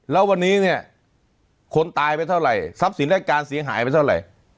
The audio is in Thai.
แล้ววันนี้เนี่ยคนตายไปเท่าไหร่ทรัพย์สินรายการเสียหายไปเท่าไหร่